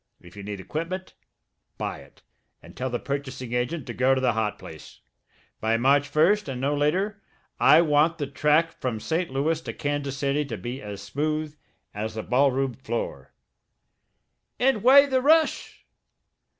If you need equipment, buy it and tell the purchasing agent to go to the hot place. By March 1st, and no later, I want the track from St. Louis to Kansas City to be as smooth as a ballroom floor." "And why the rush?"